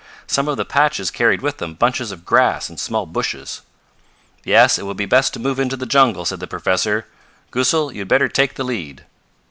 Some of the patches carried with them bunches of grass and small bushes. "Yes, it will be best to move into the jungle," said the professor. "Goosal, you had better take the lead."